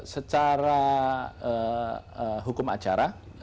secara hukum acara